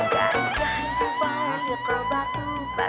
suka padaku ada gajah